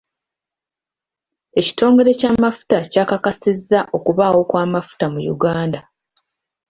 Ekitongole ky'amafuta kyakakasizza okubaawo kw'amafuta mu Uganda.